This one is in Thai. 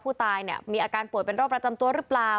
ผู้ตายเนี่ยมีอาการป่วยเป็นโรคประจำตัวหรือเปล่า